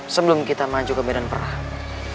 sebelum kita maju ke medan perang